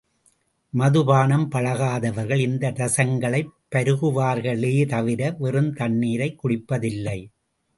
மதுபானம் பழகாதவர்கள் இந்த ரசங்களைப் பருகுவார்களே தவிர வெறும் தண்ணீரைக் குடிப்பது இல்லை.